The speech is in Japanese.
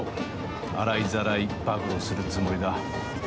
洗いざらい暴露するつもりだ。